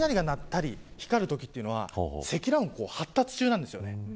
雷が鳴ったり光るときというのは積乱雲、発達中なんですよね。